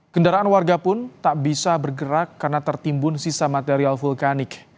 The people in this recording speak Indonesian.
kendaraan warga pun tak bisa bergerak karena tertimbun sisa material vulkanik